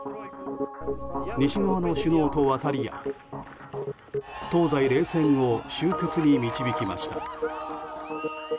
西側の首脳と渡り合い東西冷戦を終結に導きました。